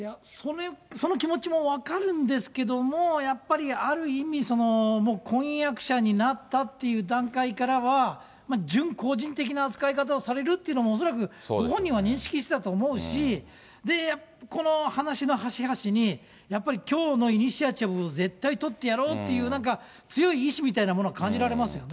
その気持ちも分かるんですけども、やっぱりある意味、もう婚約者になったという段階からは、準公人的な扱いをされるっていうのも、恐らくご本人は認識してたと思うし、この話の端々に、やっぱりきょうのイニシアチブを絶対取ってやろうっていう、なんか強い意思みたいなものを感じられますよね。